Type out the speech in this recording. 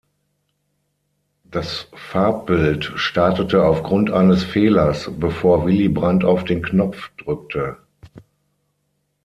Das Farbbild startete aufgrund eines Fehlers, bevor Willy Brandt auf den Knopf drückte.